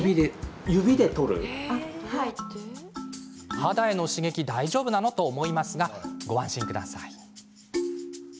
肌への刺激は大丈夫なの？と思いますが、ご安心を。